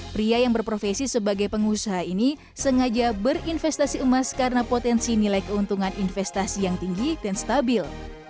pria yang berprofesi sebagai pengusaha ini sengaja berinvestasi emas karena potensi nilai keuntungan investasi yang tinggi dan stabil